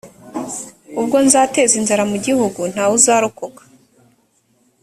ubwo nzateza inzara mu gihugu ntawe uzarokoka